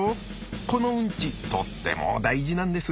このウンチとっても大事なんです。